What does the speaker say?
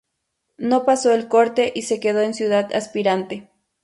No pasó el corte y se quedó en ciudad aspirante.